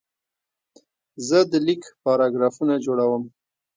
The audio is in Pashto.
زه د لیک پاراګرافونه جوړوم.